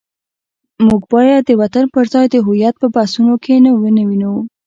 موږ باید د وطن پر ځای د هویت په بحثونو کې نه ونیو.